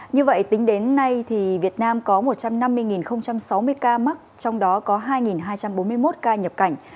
như vậy tính đến nay việt nam có một trăm năm mươi sáu mươi ca mắc trong đó có hai hai trăm bốn mươi một ca nhập cảnh